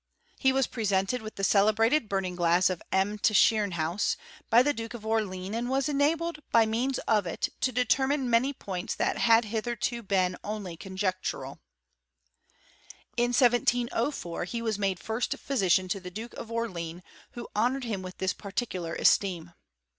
He was presented with the celebrated burning glass of M. Tchirnhaus, by the Duke of Or leans, and was enabled by means of it to determine many points that had hitherto been only conjectural. In 1704 he was made first physician to the Duke of Orleans, who honoured him with his particular esteem.